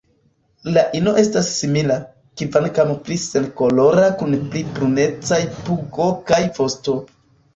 La ino estas simila, kvankam pli senkolora kun pli brunecaj pugo kaj vosto.